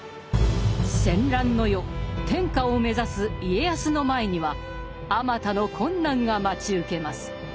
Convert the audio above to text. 戦乱の世天下を目指す家康の前にはあまたの困難が待ち受けます。